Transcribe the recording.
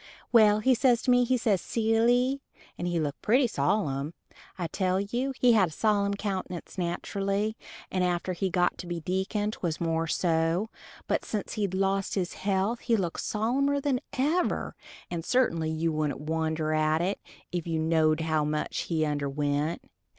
Well, he says to me, says he, "Silly," and he looked pretty sollem, I tell you he had a sollem countenance naterally and after he got to be deacon 'twas more so, but since he'd lost his health he looked sollemer than ever, and certainly you wouldent wonder at it if you knowed how much he underwent.